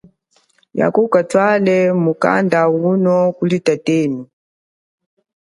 Yako ukatwale mukanda uno kuli tatenu.